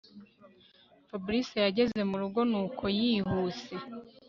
Fabric yageze murugo nuko yihuse